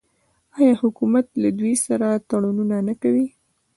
آیا حکومت له دوی سره تړونونه نه کوي؟